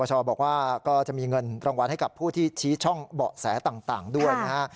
บอกว่าก็จะมีเงินรางวัลให้กับผู้ที่ชี้ช่องเบาะแสต่างด้วยนะฮะ